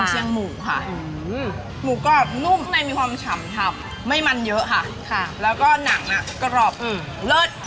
กุญเชียงหมูค่ะหมูก็นุ่มในมีความฉ่ำทับไม่มันเยอะค่ะแล้วก็หนังกรอบเลิศ